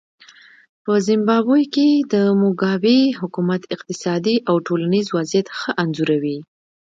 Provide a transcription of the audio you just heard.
په زیمبابوې کې د موګابي حکومت اقتصادي او ټولنیز وضعیت ښه انځوروي.